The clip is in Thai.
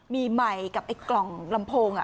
มีไมค์กับกล่องลำโพง